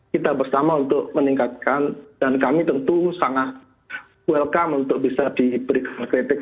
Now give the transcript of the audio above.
kita bersama untuk meningkatkan dan kami tentu sangat welcome untuk bisa diberikan kritik